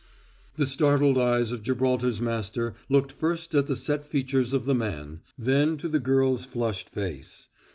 The startled eyes of Gibraltar's master looked first at the set features of the man, then to the girl's flushed face.